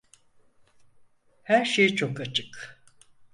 Her şey çok açık.